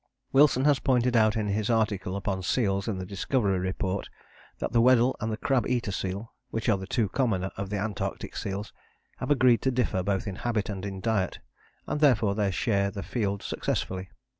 Wilson has pointed out in his article upon seals in the Discovery Report that the Weddell and the crab eater seal, which are the two commoner of the Antarctic seals, have agreed to differ both in habit and in diet, and therefore they share the field successfully.